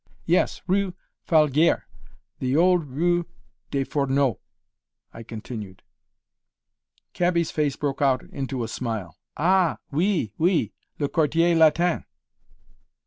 "Yes, rue Falguière, the old rue des Fourneaux," I continued. Cabby's face broke out into a smile. "Ah, oui, oui, le Quartier Latin."